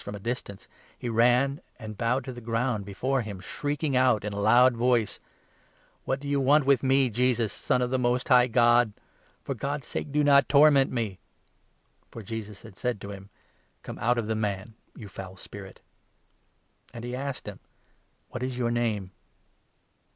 Catching sight of Jesus from a distance, he ran and bowed to 6 the ground before him, shrieking out in a loud voice : 7 "What do you want with me, Jesus, Son of the Most High God ? For God's sake do not torment me !" For Jesus had said : 8 " Come out from the man, you foul spirit." 9 And he asked him :" What is your name